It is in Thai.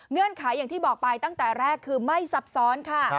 ขายอย่างที่บอกไปตั้งแต่แรกคือไม่ซับซ้อนค่ะ